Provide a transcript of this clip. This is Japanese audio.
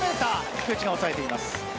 菊池が押さえています。